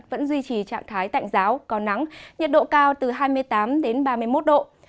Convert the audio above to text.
vẫn duy trì trạng thái tạnh giáo có nắng nhiệt độ cao từ hai mươi tám ba mươi một độ